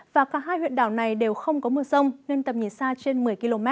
và cả hai huyện đảo này đều không có mưa rông nên tầm nhìn xa trên một mươi km